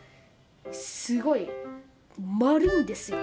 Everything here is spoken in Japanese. すごい丸いんですよ